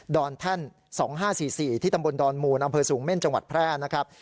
อนแท่น๒๕๔๔ที่ตำบลดอนมูลอำเภอสูงเม่นจังหวัดแพร่นะครับ